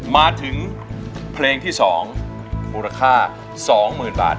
มาถึงเพลงที่๒มูลค่า๒๐๐๐บาท